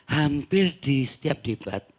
hampir di setiap debat